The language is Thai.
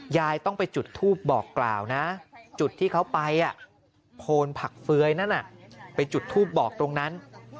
ยายต้องไปจุดทูปบอกกล่าวนะจุดที่เขาไปโพนผักเฟือยนั่นไปจุดทูปบอกตรงนั้น